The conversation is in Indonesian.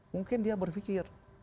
mungkin dia berpikir